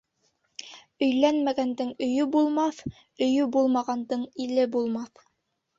Өйләнмәгәндең өйө булмаҫ, өйө булмағандың иле булмаҫ.